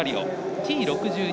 Ｔ６２